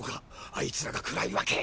あいつらが暗い訳。